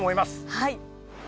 はい。